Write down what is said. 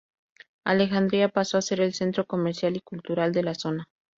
Alejandría pasó a ser el centro comercial y cultural de la zona.